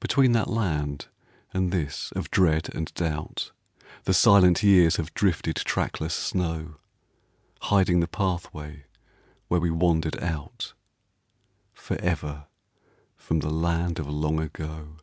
Between that land and this of dread and doubt, The silent years have drifted trackless snow; Hiding the pathway where we wandered out, Forever from the land of Long Ago.